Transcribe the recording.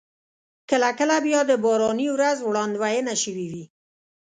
کله کله بیا د باراني ورځ وړاندوينه شوې وي.